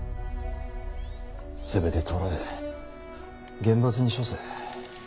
全て捕らえ厳罰に処せ。